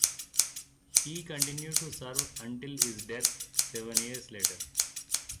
He continued to serve until his death seven years later.